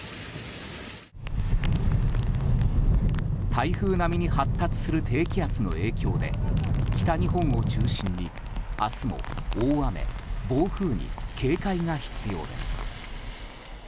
台風並みに発達する低気圧の影響で北日本を中心に、明日も大雨・暴風に警戒が必要です。